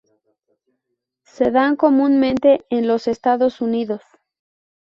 Se dan comúnmente en los Estados Unidos.